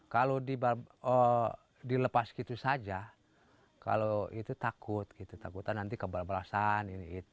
kalau dilepas gitu saja kalau itu takut gitu takutan nanti kebal balasan